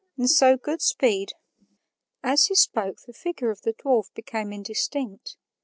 And so good speed." As he spoke the figure of the dwarf became indistinct.